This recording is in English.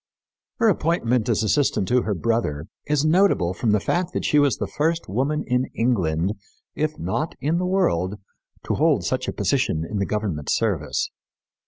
Her appointment as assistant to her brother is notable from the fact that she was the first woman in England, if not in the world, to hold such a position in the government service.